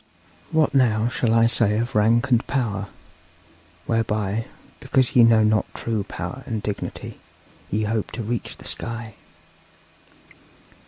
'What now shall I say of rank and power, whereby, because ye know not true power and dignity, ye hope to reach the sky?